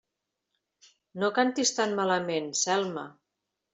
No cantis tan malament, Selma!